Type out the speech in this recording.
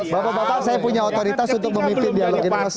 bapak bapak saya punya otoritas untuk memimpin dialog internasional